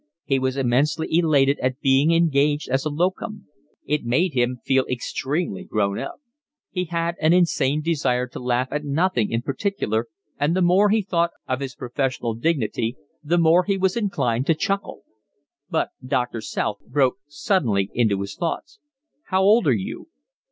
He was immensely elated at being engaged as a locum; it made him feel extremely grown up; he had an insane desire to laugh at nothing in particular; and the more he thought of his professional dignity the more he was inclined to chuckle. But Doctor South broke suddenly into his thoughts. "How old are you?"